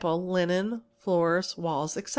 linen, floors, walls, etc.